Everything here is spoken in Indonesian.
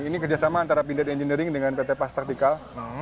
ini kerjasama antara pindad engineering dengan pt pas taktikal